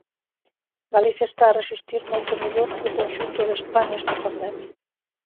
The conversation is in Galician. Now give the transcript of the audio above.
Galicia está a resistir moito mellor que o conxunto de España esta pandemia.